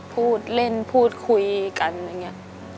พูดเล่นพูดคุยกันอย่างนี้